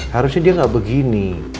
harusnya dia gak begini